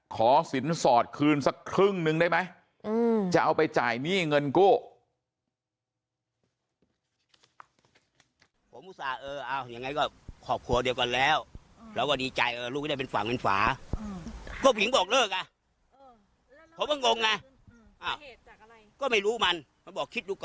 ขอสินสอดคืนสักครึ่งนึงได้ไหมจะเอาไปจ่ายหนี้เงินกู้